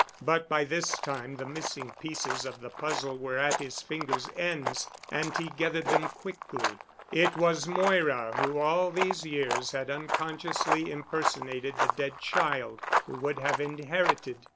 But by this time the missing pieces of the puzzle were at his fingers' ends and he gathered them quickly. It was Moira who all these years had unconsciously impersonated the dead child who would have inherited.